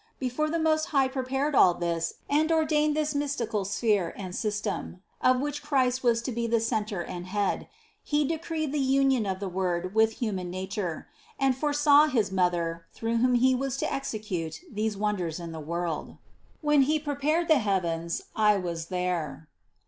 Before the Most High prepared all this and ordained this mystical sphere and system, of which Christ was to be the center and head, He decreed the union of the Word with human nature, and foresaw his Mother, through whom He was to execute these wonders in the world. 64. "When he prepared the heavens, I was there."